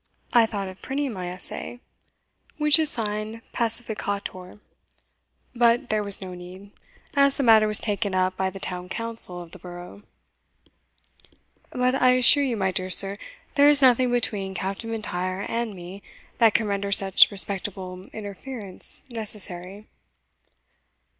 I thought of printing my Essay, which is signed Pacificator; but there was no need, as the matter was taken up by the town council of the borough." "But I assure you, my dear sir, there is nothing between Captain M'Intyre and me that can render such respectable interference necessary."